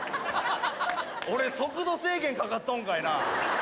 俺速度制限かかっとんかいな。